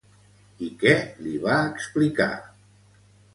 I què li va explicar?